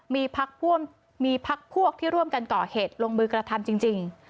มีพักมีพักพวกที่ร่วมกันก่อเหตุลงมือกระทำจริง